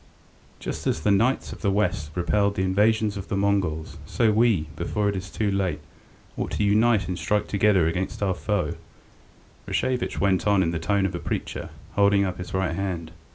"Just as the knights of the west repelled the invasions of the Mongols, so we, before it is too late, ought to unite and strike together against our foe," Rashevitch went on in the tone of a preacher, holding up his right hand.